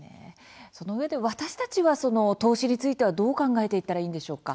そのうえで私たちはその投資についてはどう考えていったらいいんでしょうか？